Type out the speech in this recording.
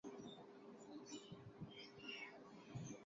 تیر ناں کمان کتھ دے پٹھاݨ